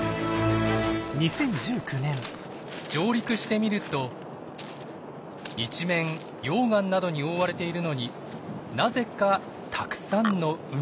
上陸してみると一面溶岩などに覆われているのになぜかたくさんの海鳥。